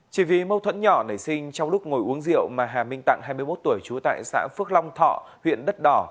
chỉ vì mâu thuẫn nhỏ nảy sinh trong lúc ngồi uống rượu mà hà minh tặng hai mươi một tuổi trú tại xã phước long thọ huyện đất đỏ